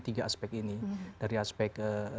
tiga aspek ini dari aspek